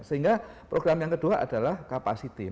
sehingga program yang kedua adalah kapasitas